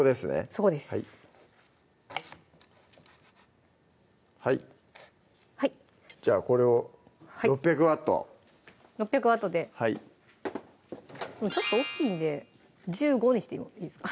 そこですはいじゃあこれを６００Ｗ６００Ｗではいちょっと大きいんで１５にしてもいいですか？